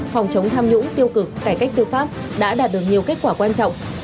phòng chống tham nhũng tiêu cực cải cách tư pháp đã đạt được nhiều kết quả quan trọng